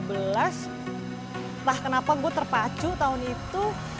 entah kenapa gue terpacu tahun itu